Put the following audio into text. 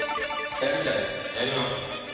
やります。